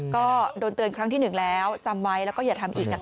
ก็โดนเตือนครั้งที่หนึ่งแล้วจำไว้แล้วก็อย่าทำอีกนะคะ